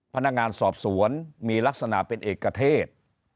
พนักงานสอบสวนมีลักษณะเป็นเอกเทศ